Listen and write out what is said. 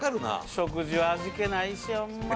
食事は味気ないしホンマ。